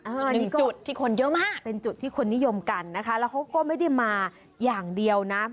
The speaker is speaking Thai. อันนี้จุดที่คนเยอะมากเป็นจุดที่คนนิยมกันนะคะแล้วเขาก็ไม่ได้มาอย่างเดียวนะ